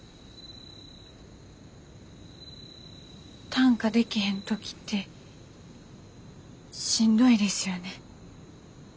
短歌できへん時ってしんどいですよね。